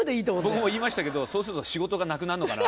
僕も言いましたけどそうすると仕事がなくなるのかな。